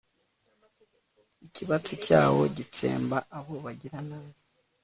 ikibatsi cyawo gitsemba abo bagiranabi